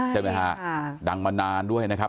ใช่ไหมฮะดังมานานด้วยนะครับ